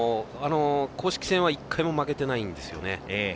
公式戦は１回も負けてないんですよね。